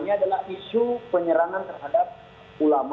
ini adalah isu penyerangan terhadap ulama